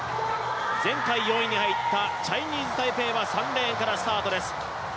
前回４位に入ったチャイニーズ・タイペイは３レーンからスタート。